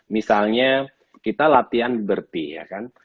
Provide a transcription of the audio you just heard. misalnya kita latihan berti ya kan